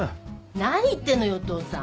何言ってんのよお父さん。